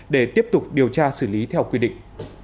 để tiếp tục điều tra xử lý theo quy định